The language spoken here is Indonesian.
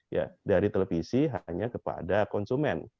ya dari televisi hanya kepada konsumen